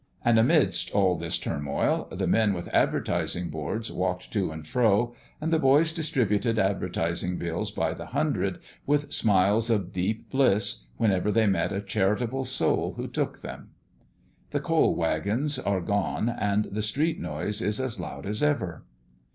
And amidst all this turmoil, the men with advertising boards walked to and fro; and the boys distributed advertising bills by the hundred, with smiles of deep bliss, whenever they met a charitable soul who took them. The coal waggons are gone, and the street noise is as loud as ever.